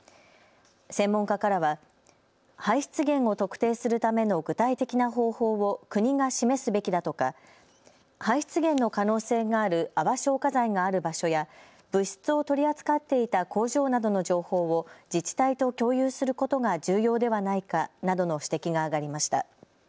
専門家からは排出源を特定するための具体的な方法を国が示すべきだとか排出源の可能性がある泡消火剤がある場所や物質を取り扱っていた工場などの情報を自治体と共有することが重要ではないかなどの指摘があがりました。